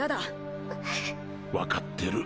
っ！分かってる。